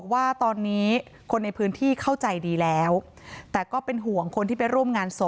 ว่าตอนนี้คนในพื้นที่เข้าใจดีแล้วแต่ก็เป็นห่วงคนที่ไปร่วมงานศพ